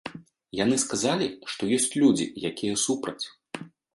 Яны сказалі, што ёсць людзі, якія супраць.